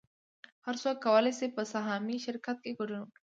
هر څوک کولی شي په سهامي شرکت کې ګډون وکړي